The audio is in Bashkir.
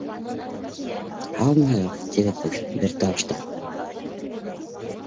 — Һаумыһығыҙ, — тинек бер тауыштан.